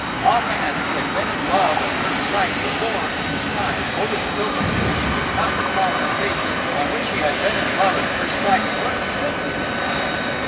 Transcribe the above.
Often as he had been in love at first sight before in his time, Otis Pilkington could not recall an occasion on which he had been in love at first sight more completely than now.